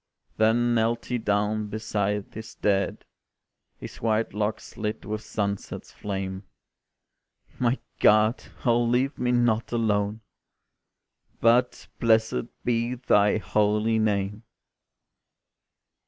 Then knelt he down beside his dead, His white locks lit with sunset's flame: "My God! oh leave me not alone But blessed be Thy holy name."